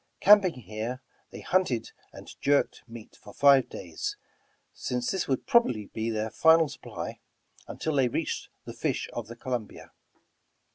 Camping here, they hunted and jerked meat for five days, since this would probably be their final supply until they reached the fish of the Colum bia.